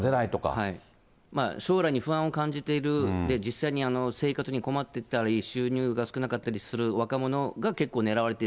将来に不安を感じている、実際に生活に困ってたり、収入が少なかったりする若者が結構、ねらわれている。